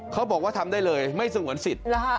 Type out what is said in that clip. เขาบอกว่าทำได้เลยไม่สงวนสิทธิ์